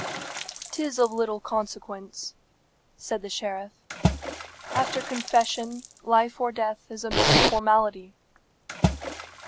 "'Tis of little consequence," said the sheriff. "After confession, life or death is a mere formality."